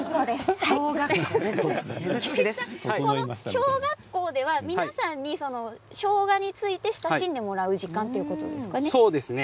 ショウガっ校では皆さんにしょうがについて親しんでもらう時間そうですね。